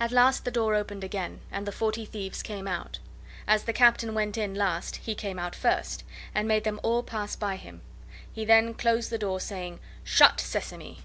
At last the door opened again, and the Forty Thieves came out. As the Captain went in last he came out first, and made them all pass by him; he then closed the door, saying: "Shut, Sesame!"